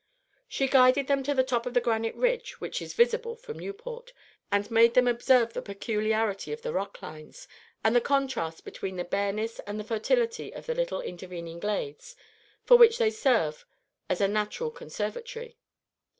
She guided them to the top of the granite ridge which is visible from Newport, and made them observe the peculiarity of the rock lines, and the contrast between their bareness and the fertility of the little intervening glades, for which they serve as a natural conservatory.